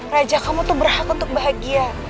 raja kamu tuh berhak untuk bahagia